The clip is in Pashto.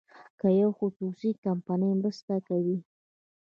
که یوه خصوصي کمپنۍ مرسته کوي.